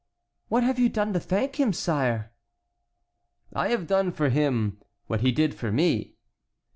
"What have you done to thank him, sire?" "I have done for him what he did for me."